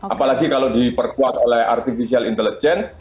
apalagi kalau diperkuat oleh artificial intelligence